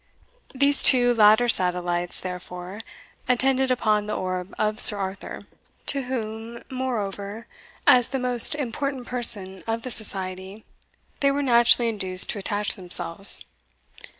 These two latter satellites, therefore, attended upon the orb of Sir Arthur, to whom, moreover, as the most important person of the society, they were naturally induced to attach themselves.